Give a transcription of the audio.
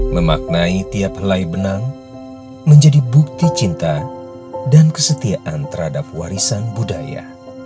memaknai tiap helai benang menjadi bukti cinta dan kesetiaan terhadap warisan budaya